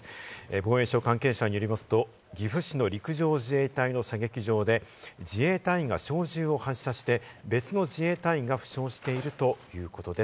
防衛省関係者によりますと、岐阜市の陸上自衛隊の射撃場で自衛隊が小銃を発射して別の自衛隊員が負傷しているということです。